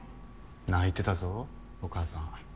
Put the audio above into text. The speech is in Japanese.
泣いてたぞお母さん。